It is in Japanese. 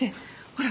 ほら。